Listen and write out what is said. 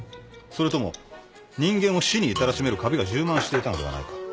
それとも人間を死に至らしめるカビが充満していたのではないか。